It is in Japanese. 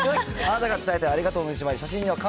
あなたが伝えたいありがとうの１枚。